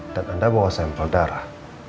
dan anda bawa sampel darah